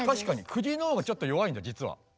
クギのほうがちょっと弱いんだじつは。